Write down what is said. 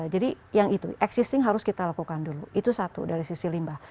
jadi yang itu existing harus kita lakukan dulu itu satu dari sisi limbah